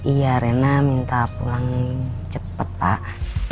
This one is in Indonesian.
iya rena minta pulang cepat pak